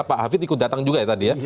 pak hafid ikut datang juga ya tadi ya